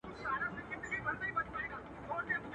اعلان یې کړی پر ټوله ښار دی ..